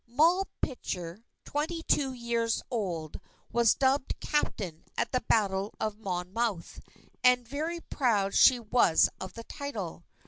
_ Moll Pitcher, twenty two years old, was dubbed Captain at the Battle of Monmouth, and very proud she was of the title.